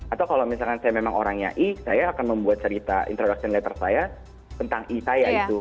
atau kalau misalkan saya memang orangnya i saya akan membuat cerita introduction letter saya tentang i saya itu